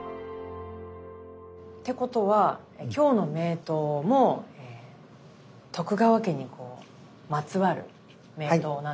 ってことは今日の名刀も徳川家にまつわる名刀なんですかね？